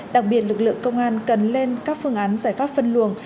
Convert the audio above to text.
đặc biệt lực lượng công an cần lên các phương án giải pháp phân luồng